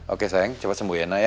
oke sayang cepet sembuh iyana ya